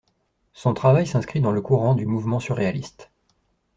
Son travail s'inscrit dans le courant du mouvement surréaliste.